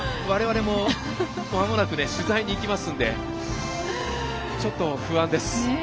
我々も、まもなく取材に行きますのでちょっと不安です。